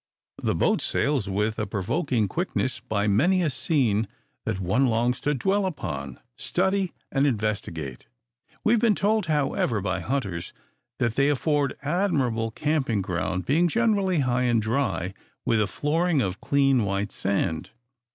The boat sails with a provoking quickness by many a scene that one longs to dwell upon, study, and investigate. We have been told, however, by hunters, that they afford admirable camping ground, being generally high and dry, with a flooring of clean white sand.